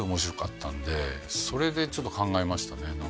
それでちょっと考えましたね